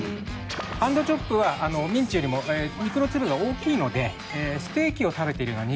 ハンドチョップはミンチよりも肉の粒が大きいのでステーキを食べているような